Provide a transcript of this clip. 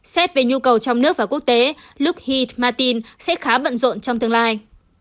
xét về nhu cầu trong nước và quốc tế luke heath martin sẽ khá bận rộn trong tương lai